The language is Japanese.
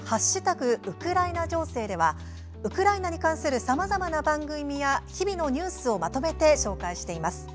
ウクライナ情勢ではウクライナに関するさまざまな番組や日々のニュースをまとめて紹介しています。